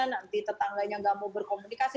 nanti tetangganya nggak mau berkomunikasi